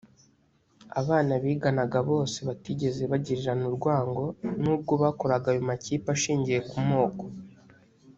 abana biganaga bose batigeze bagirirana urwango n’ubwo bakoraga ayo makipe ashingiye ku moko